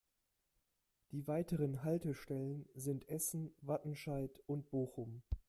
Die weiteren Haltestellen sind Essen, Wattenscheid und Bochum.